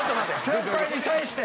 先輩に対して。